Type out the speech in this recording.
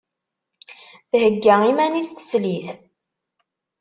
Thegga iman-is teslit.